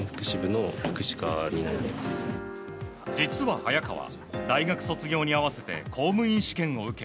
実は早川、大学卒業に合わせて公務員試験を受け